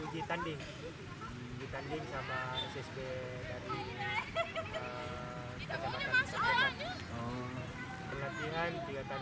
kita berjutaan per latar latihan